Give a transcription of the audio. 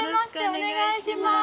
お願いします。